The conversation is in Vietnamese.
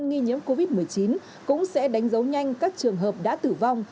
công dân nghi nhiễm covid một mươi chín cũng sẽ đánh dấu nhanh các trường hợp đã tử vong